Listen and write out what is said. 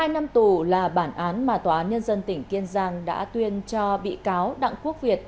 một mươi năm tù là bản án mà tòa án nhân dân tỉnh kiên giang đã tuyên cho bị cáo đặng quốc việt